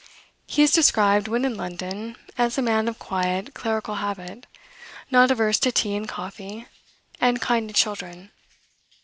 He is described, when in London, as a man of quiet, clerical habit, not averse to tea and coffee, and kind to children.